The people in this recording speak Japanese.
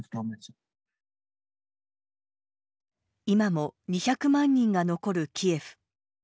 今も２００万人が残るキエフ。